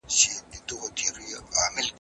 ځينې وايي چې هغوی د کابل له کوهستان څخه راغلي دي.